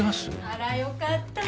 あらよかった